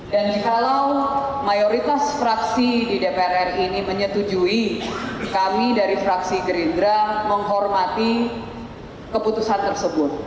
dan jika mayoritas fraksi di dprr ini menyetujui kami dari fraksi gerindra menghormati keputusan tersebut